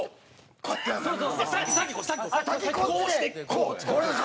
こうやってこう。